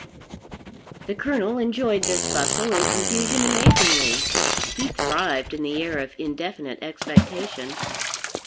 The Colonel enjoyed this bustle and confusion amazingly; he thrived in the air of indefinite expectation.